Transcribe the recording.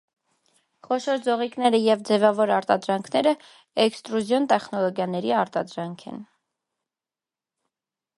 Խոշոր ձողիկները և ձևավոր արտադրանքները էքստրուզիոն տեխնոլոգիաների արտադրանք են։